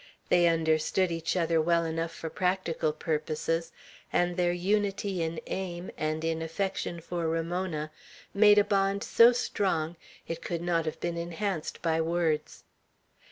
They understood each other well enough for practical purposes, and their unity in aim, and in affection for Ramona, made a bond so strong, it could not have been enhanced by words.